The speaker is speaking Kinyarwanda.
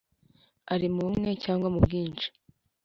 ari mu bumwe cyangwa mu bwinshi